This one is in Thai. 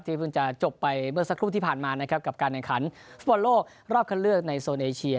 เพิ่งจะจบไปเมื่อสักครู่ที่ผ่านมานะครับกับการแข่งขันฟุตบอลโลกรอบคันเลือกในโซนเอเชีย